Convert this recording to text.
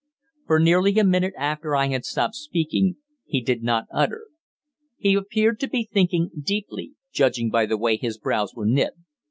For nearly a minute after I had stopped speaking he did not utter. He appeared to be thinking deeply, judging by the way his brows were knit.